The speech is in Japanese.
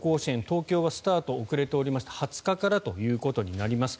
東京はスタートが遅れていまして２０日からということになります。